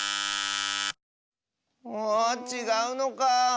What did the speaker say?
あちがうのか。